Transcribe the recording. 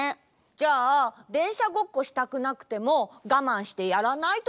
じゃあでんしゃごっこしたくなくてもがまんしてやらないといけないの？